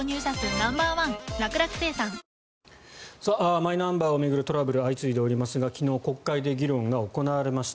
マイナンバーを巡るトラブルが相次いでおりますが昨日、国会で議論が行われました。